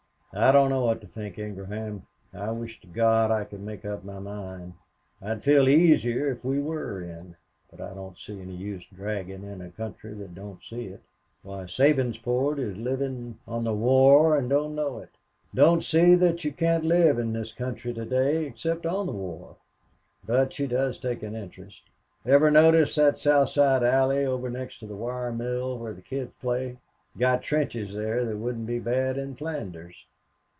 "I don't know what to think, Ingraham. I wish to God I could make up my mind. I'd feel easier if we were in, but I don't see any use dragging in a country that don't see it. Why, Sabinsport is living on the war and don't know it. Don't see that you can't live in this country to day except on the war. But she does take an interest. Ever notice that South Side Alley over next the wire mill, where the kids play. Got trenches there that wouldn't be bad in Flanders.